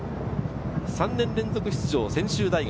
３年連続出場、専修大学。